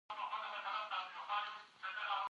د افغانستان بچیانو جګړه کړې ده.